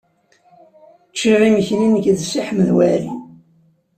Ččiɣ imekli nekk d Si Ḥmed Waɛli.